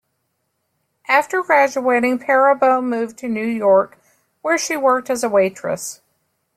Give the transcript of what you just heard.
After graduating, Perabo moved to New York, where she worked as a waitress.